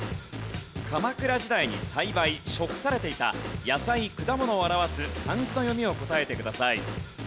鎌倉時代に栽培食されていた野菜・果物を表す漢字の読みを答えてください。